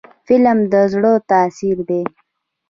فلم د زړه تاثیر دی